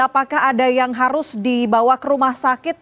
apakah ada yang harus dibawa ke rumah sakit